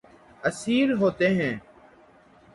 اسیر ہوتے ہیں